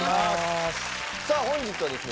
さあ本日はですね